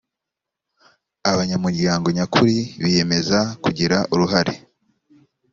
abanyamuryango nyakuri biyemeza kugira uruhare